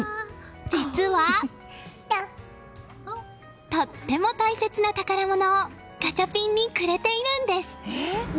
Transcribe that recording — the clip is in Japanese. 実は、とっても大切な宝物をガチャピンにくれているんです。